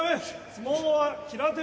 相撲は平手！